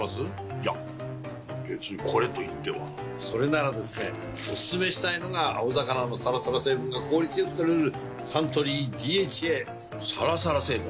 いや別にこれといってはそれならですねおすすめしたいのが青魚のサラサラ成分が効率良く摂れるサントリー「ＤＨＡ」サラサラ成分？